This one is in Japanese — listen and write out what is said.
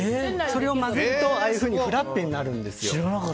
それを混ぜるとアイスがフラッペになるんですよ。